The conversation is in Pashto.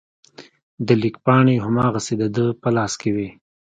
د لیک پاڼې هماغسې د ده په لاس کې وې.